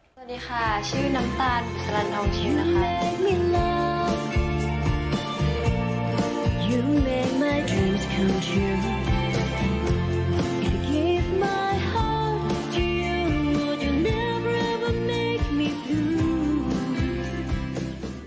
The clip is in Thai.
สวัสดีค่ะชื่อน้ำตาลสลันเอาชีวิตนะคะ